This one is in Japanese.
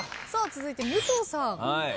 続いて武藤さん。